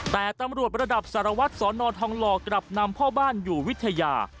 แต่ตำรวจระดับสารวัตรสอนอทองหล่อกลับนำพ่อบ้านอยู่วิทยา